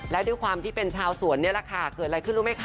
และด้วยความที่เป็นชาวสวนนี่แหละค่ะเกิดอะไรขึ้นรู้ไหมคะ